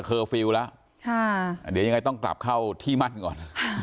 ฟิลล์แล้วเดี๋ยวยังไงต้องกลับเข้าที่มั่นก่อน